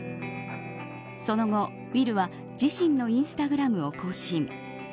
その後、ウィルは自身のインスタグラムを更新。